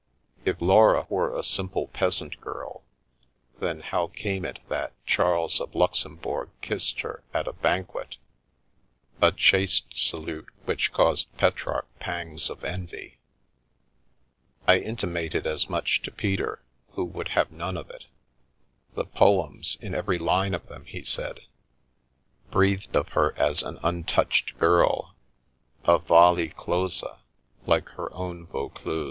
If Laura were the simple peasant girl, then how came it that Charles of Luxemburg kissed her at a banquet — a chaste salute which caused Petrarch pangs of envy? I intimated as much to Peter, who would have none of it. The poems, in every line of them, he said, breathed of her as an untouched girl, a " Vallis Clausa/' like her own Vaucluse.